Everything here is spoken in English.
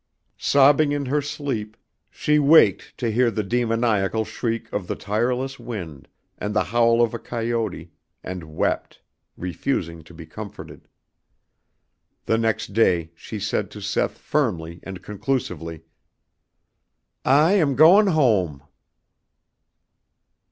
Sobbing in her sleep, she waked to hear the demoniacal shriek of the tireless wind and the howl of a coyote, and wept, refusing to be comforted. The next day she said to Seth firmly and conclusively: "I am goin' home."